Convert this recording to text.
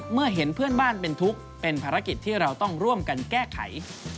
เมื่อเห็นเพื่อนบ้านเป็นทุกข์เป็นภารกิจที่เราต้องร่วมกันแก้ไข